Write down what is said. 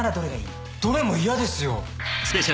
「どれも嫌ですよ」